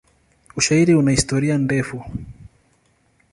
Ushairi una historia ndefu.